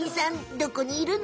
どこにいるの？